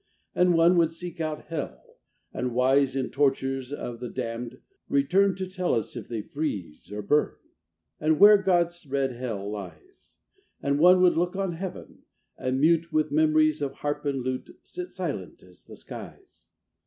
And one would seek out Hell; and, wise In tortures of the damned, return To tell us if they freeze or burn, And where God's red Hell lies: And one would look on Heaven; and, mute With memories of harp and lute, Sit silent as the skies.